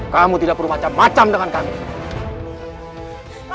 kamu tidak perlu macam macam dengan paman jagatwira